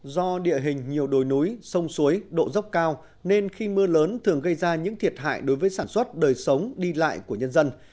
do địa hình nhiều đồi núi sông suối độ dốc cao nên khi mưa lớn thường gây ra những thiệt hại đối với sản xuất đời sống đi lại của nhân dân